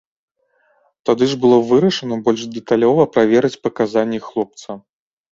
Тады ж было вырашана больш дэталёва праверыць паказанні хлопца.